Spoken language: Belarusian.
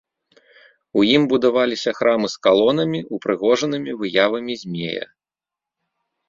У ім будаваліся храмы з калонамі, упрыгожанымі выявамі змея.